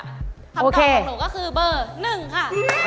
คำตอบของหนูก็คือเบอร์๑ค่ะ